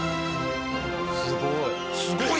すごい。